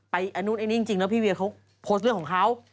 ไอ้นู้นอันนี้จริงแล้วพี่เวียเขาโพสต์เรื่องของเขา